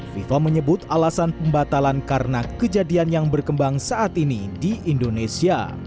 fifa menyebut alasan pembatalan karena kejadian yang berkembang saat ini di indonesia